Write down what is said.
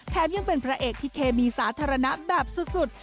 ยังเป็นพระเอกที่เคมีสาธารณะแบบสุด